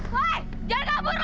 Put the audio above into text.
woi woi jangan kabur mak